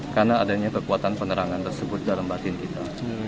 karena adanya kekuatan penerangan tersebut dalam batin kita